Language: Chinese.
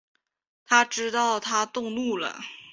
他知道她动怒了